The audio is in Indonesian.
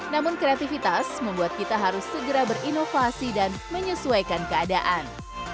namun kreativitas membuat kita harus segera berinovasi dan menyesuaikan keadaan